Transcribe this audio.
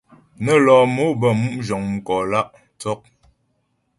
Nə́ lɔ mò bə́ mu' zhəŋ mkò lǎ' tsɔk.